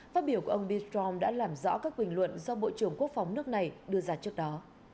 phát biểu của ông bill đã làm rõ các bình luận do bộ trưởng quốc phòng nước này đưa ra trước đó